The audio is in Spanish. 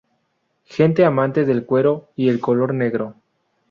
Gente amante del cuero y el color negro.